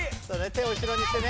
手を後ろにしてね。